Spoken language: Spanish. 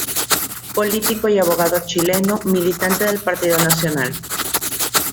Político y abogado chileno, militante del Partido Nacional.